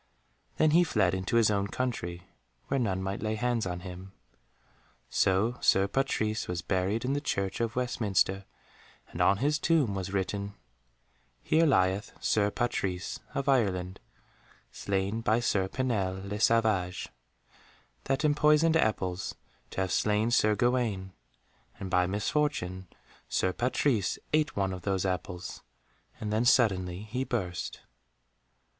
Then he fled into his own country, where none might lay hands on him. So Sir Patrise was buried in the Church of Westminster, and on his tomb was written, "Here lieth Sir Patrise of Ireland, slain by Sir Pinel le Savage, that empoisoned apples to have slain Sir Gawaine, and by misfortune Sir Patrise ate one of those apples and then suddenly he burst."